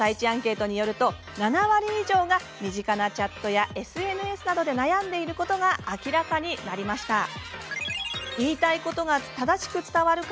アンケートによれば７割以上が身近なチャットやＳＮＳなどで悩んでいることが明らかになりました。